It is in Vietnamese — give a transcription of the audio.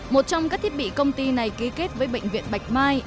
một trong các thiết bị công ty này ký kết với bệnh viện bạch mai